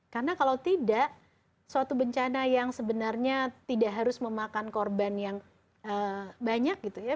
karena kalau tidak suatu bencana yang sebenarnya tidak harus memakan korban yang banyak gitu ya